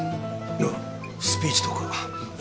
おうスピーチとか色々。